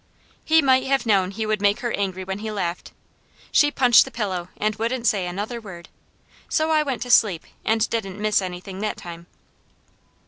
He might have known he would make her angry when he laughed. She punched the pillow, and wouldn't say another word; so I went to sleep, and didn't miss anything that time.